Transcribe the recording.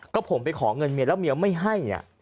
ก็ผมไปขอเงินเมียแล้วเมียไม่ให้